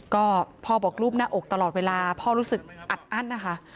ก็พ่อบอกรูปหน้าอกตลอดเวลาพ่อรู้สึกอัดอั้นนะคะ